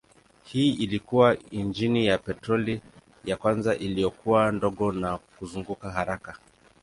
Hii ilikuwa injini ya petroli ya kwanza iliyokuwa ndogo na kuzunguka haraka.